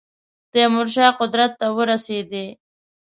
تیمور شاه قدرت ته ورسېدی.